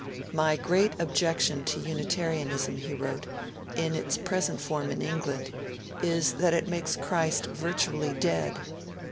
'My great objection to Unitarianism,' he wrote, 'in its present form in England, is that it makes Christ virtually dead.'